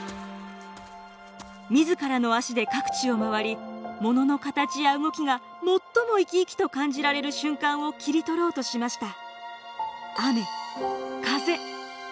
自らの足で各地を回りものの形や動きが最も生き生きと感じられる瞬間を切り取ろうとしました。